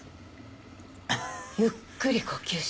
ゆっくり呼吸して。